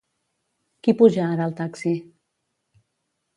Qui puja ara al taxi?